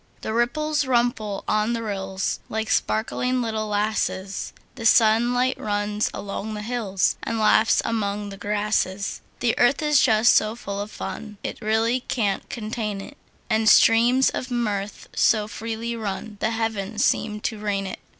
The ripples wimple on the rills, Like sparkling little lasses; The sunlight runs along the hills, And laughs among the grasses. The earth is just so full of fun It really can't contain it; And streams of mirth so freely run The heavens seem to rain it.